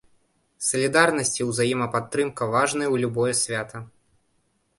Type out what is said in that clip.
Салідарнасць і ўзаемападтрымка важныя ў любое свята.